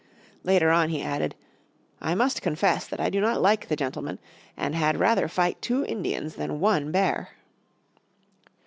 Later on he added, "I must confess that I do not like the gentlemen, and had rather fight two Indians than one bear."